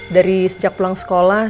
dari sejak pulang sekolah